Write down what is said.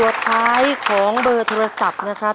สุดท้ายของเบอร์โทรศัพท์นะครับ